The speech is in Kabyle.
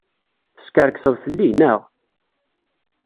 Teskerkseḍ fell-i, naɣ?